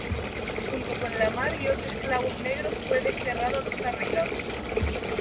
Junto con La Mar y ocho esclavos negros fue desterrado a Costa Rica.